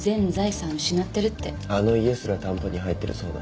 あの家すら担保に入ってるそうだ。